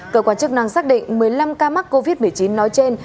cơ quan chức năng xác định một mươi năm ca mắc covid một mươi chín nói trên